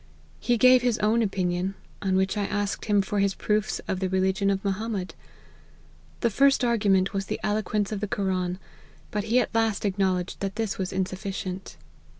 He gave his own opinion ; on which 1 asked him for his proofs of the religion of Mohammed. His first argument was the eloquence of the Koran ; but he at last acknowledged that this was insufficient.